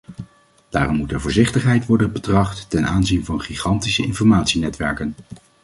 Daarom moet er voorzichtigheid worden betracht ten aanzien van gigantische informatienetwerken.